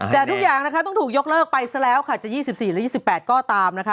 แต่ทุกอย่างนะคะต้องถูกยกเลิกไปซะแล้วค่ะจะ๒๔และ๒๘ก็ตามนะคะ